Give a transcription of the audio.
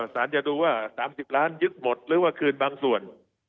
จะดูว่า๓๐ล้านยึดหมดหรือว่าคืนบางส่วน